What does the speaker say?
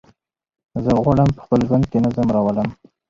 زه غواړم په خپل ژوند کې نظم راولم.